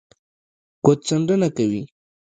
ګوتڅنډنه کوي